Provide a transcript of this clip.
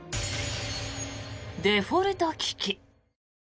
デフォルト危機。